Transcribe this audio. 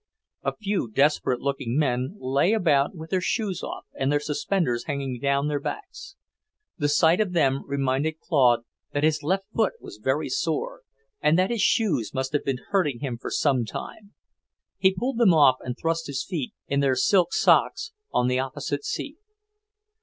A few desperate looking men lay about with their shoes off and their suspenders hanging down their backs. The sight of them reminded Claude that his left foot was very sore, and that his shoes must have been hurting him for some time. He pulled them off, and thrust his feet, in their silk socks, on the opposite seat.